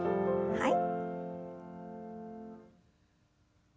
はい。